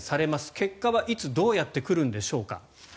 結果はいつどうやって来るんでしょうか。